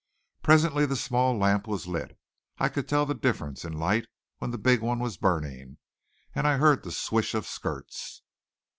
Presently the small lamp was lit I could tell the difference in light when the big one was burning and I heard the swish of skirts.